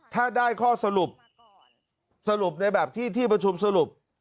ถ้าได้ข้อสรุปสรุปในแบบที่ที่ประชุมสรุป